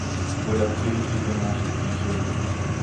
Voilà précisément ce qu’il craignait.